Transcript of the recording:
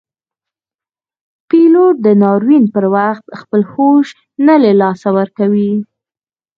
پیلوټ د ناورین پر وخت خپل هوش نه له لاسه ورکوي.